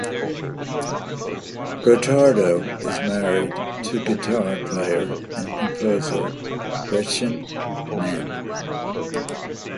Gottardo is married to guitar player and composer Gretchen Menn.